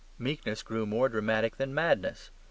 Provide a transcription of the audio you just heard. Meekness grew more dramatic than madness.